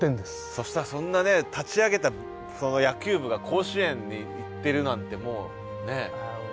そしたらそんなね立ち上げたその野球部が甲子園に行ってるなんてもうねえ。